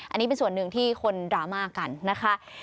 อันนี้เป็นส่วนหนึ่งที่คนดราม่ากันนะคะ